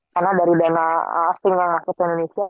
karena dari dana asing yang masuk ke indonesia